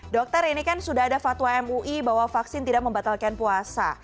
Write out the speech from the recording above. dokter ini kan sudah ada fatwa mui bahwa vaksin tidak membatalkan puasa